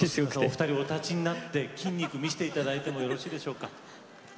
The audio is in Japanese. お二人お立ちになって筋肉見せて頂いてもよろしいでしょうか？